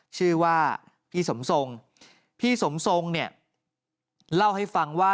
ชื่อว่าพี่สมทรงพี่สมทรงเนี่ยเล่าให้ฟังว่า